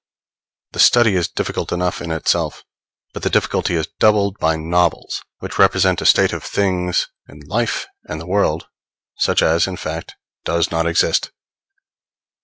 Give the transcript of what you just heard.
The study is difficult enough in itself; but the difficulty is doubled by novels, which represent a state of things in life and the world, such as, in fact, does not exist.